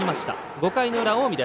５回の裏、近江。